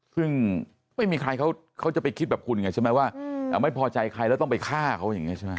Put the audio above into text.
ซึ่งไม่มีใครเขาจะไปคิดแบบคุณไงใช่ไหมว่าไม่พอใจใครแล้วต้องไปฆ่าเขาอย่างนี้ใช่ไหม